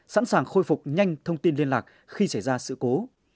sẵn sàng khôi phục nhanh thông tin liên lạc khi xảy ra sự cố